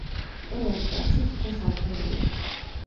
ყველა მკლავში თითო სარკმელია.